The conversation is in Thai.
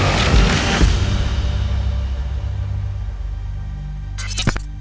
สวัสดีครับ